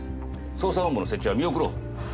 捜査本部の設置は見送ろう。